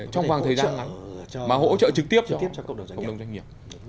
trong vàng thời gian mà hỗ trợ trực tiếp cho cộng đồng doanh nghiệp